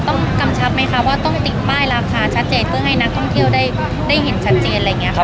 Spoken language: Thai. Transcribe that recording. ต้องกำชับไหมครับว่าต้องติดป้ายราคาชัดเจนเพื่อให้นักท่องเที่ยวได้ได้เห็นชัดเจนอะไรเงี้ยครับ